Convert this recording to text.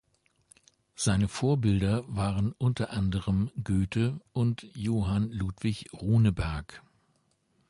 Seine Vorbilder waren unter anderem Goethe und Johan Ludvig Runeberg.